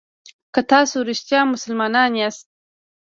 که تاسو رښتیا مسلمانان یاست.